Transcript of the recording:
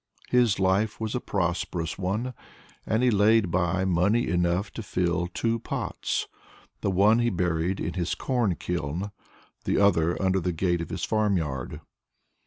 His life was a prosperous one, and he laid by money enough to fill two pots. The one he buried in his corn kiln, the other under the gate of his farmyard.